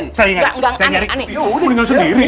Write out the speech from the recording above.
ya udah tinggal sendiri